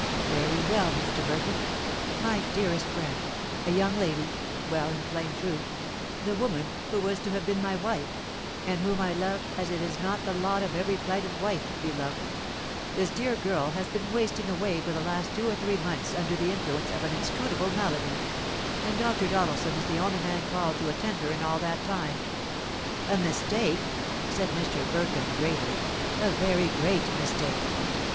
"Very well, Mr. Burkham; my dearest friend, a young lady well, in plain truth, the woman who was to have been my wife, and whom I love as it is not the lot of every plighted wife to be loved this dear girl has been wasting away for the last two or three months under the influence of an inscrutable malady, and Dr. Doddleson is the only man called to attend her in all that time." "A mistake!" said Mr. Burkham, gravely; "a very great mistake!